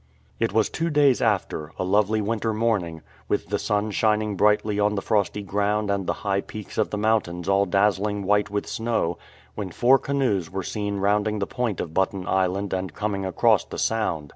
It was two days after, a lovely winter morning, with the sun shining brightly on the frosty ground and the high peaks of the mountains all dazzling white with snow, when four canoes were seen rounding the point of Button Island and coming across the sound.